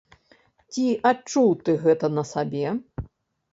Ці адчуў ты гэта на сабе?